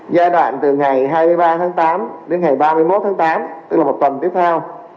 giai đoạn từ ngày hai mươi ba tháng tám đến ngày ba mươi một tháng tám tức là một tuần tiếp theo